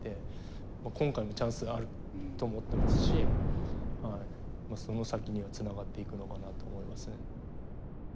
今回もチャンスがあると思っていますしその先にはつながっていくのかなと思います。